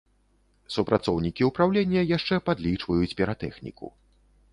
Супрацоўнікі ўпраўлення яшчэ падлічваюць піратэхніку.